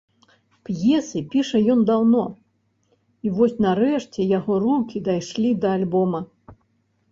П'есы піша ён даўно, і вось нарэшце яго рукі дайшлі да альбома.